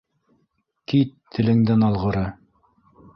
— Кит, телеңдән алғыры.